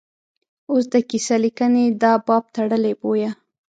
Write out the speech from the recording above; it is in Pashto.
اوس د کیسه لیکنې دا باب تړلی بویه.